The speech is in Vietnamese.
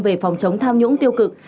về phòng chống tham nhũng tiêu cực